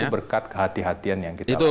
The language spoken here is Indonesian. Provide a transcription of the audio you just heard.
itu berkat kehatian yang kita lakukan